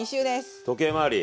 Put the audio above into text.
時計回り。